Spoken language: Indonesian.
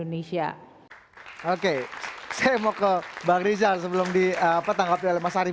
oke saya mau ke bang rizal sebelum ditanggapi oleh mas arief